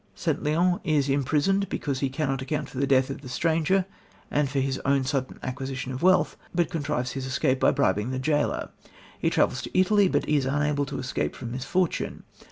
St. Leon is imprisoned because he cannot account for the death of the stranger and for his own sudden acquisition of wealth, but contrives his escape by bribing the jailor. He travels to Italy, but is unable to escape from misfortune.